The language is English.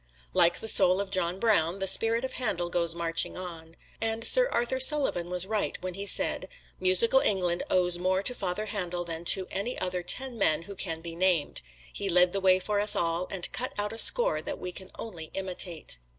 Like the soul of John Brown, the spirit of Handel goes marching on. And Sir Arthur Sullivan was right when he said, "Musical England owes more to Father Handel than to any other ten men who can be named he led the way for us all, and cut out a score that we can only imitate."